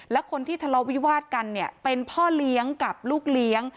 และคนที่ทะเลาะวิวาดกันเนี่ยเป็นพ่อเลี้ยงกับลูกเลี้ยง